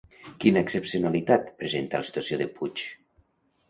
Quina excepcionalitat presenta la situació de Puig?